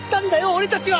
俺たちは。